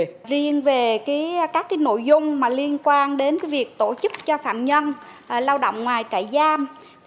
các bản tin được gửi đến từ bộ công an về các nội dung liên quan đến việc tổ chức cho phạm nhân lao động ngoài chạy giam